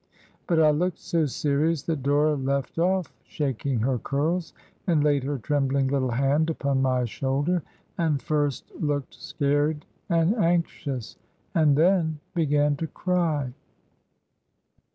But I looked so serious that Dora left off shaking her curls, and laid her trembUng little hand upon my shoulder, and first looked scared and anxious, and then began to cry.